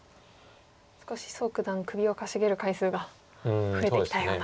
少し蘇九段首をかしげる回数が増えてきたような。